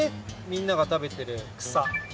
みんなが食べているくさ！